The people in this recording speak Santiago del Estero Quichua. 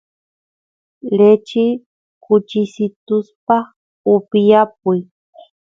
lechi kuchisituspaq upiyapuy